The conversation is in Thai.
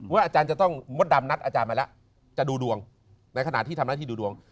อาจารย์จะต้องมดดำนัดอาจารย์มาแล้วจะดูดวงในขณะที่ทำหน้าที่ดูดวง